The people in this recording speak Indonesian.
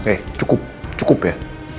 eh cukup cukup ya